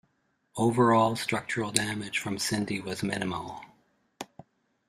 Overall structural damage from Cindy was minimal.